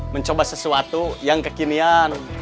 mencoba sesuatu yang kekinian